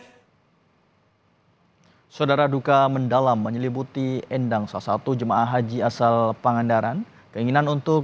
hai saudara duka mendalam menyelibuti endang salah satu jemaah haji asal pangandaran keinginan untuk